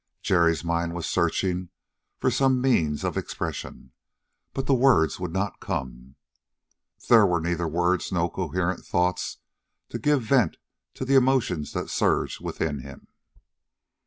Jerry's mind was searching for some means of expression, but the words would not come. There were neither words nor coherent thoughts to give vent to the emotions that surged within him.